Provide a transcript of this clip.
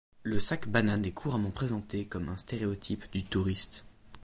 Le sac banane est couramment présenté comme un stéréotype du touriste.